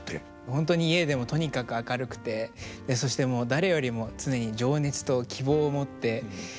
本当に家でもとにかく明るくてそして誰よりも常に情熱と希望を持ってもうやっぱり元気な人で。